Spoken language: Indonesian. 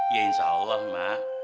ya insya allah mak